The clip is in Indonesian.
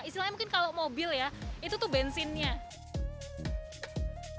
istilahnya mungkin kalau mobil ya itu tuh bensinnya